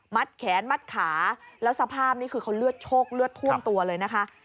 แขนมัดขาแล้วสภาพนี่คือเขาเลือดโชคเลือดท่วมตัวเลยนะคะ